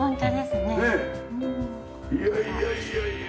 いやいやいやいや。